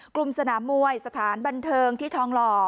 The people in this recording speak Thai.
กลุ่มสนามมวยสถานบันเทิงที่ทองหล่อ